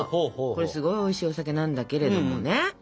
これすごいおいしいお酒なんだけれどもね。